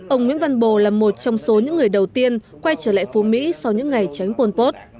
ông nguyễn văn bồ là một trong số những người đầu tiên quay trở lại phú mỹ sau những ngày tránh pồn pốt